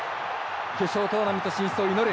決勝トーナメント進出を祈る。